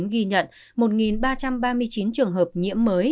ghi nhận một ba trăm ba mươi chín trường hợp nhiễm mới